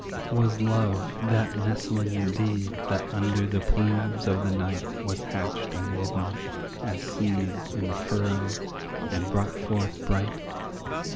Was Love that nestling indeed that under the plumes of the night Was hatched and hidden as seed in the furrow, and brought forth bright?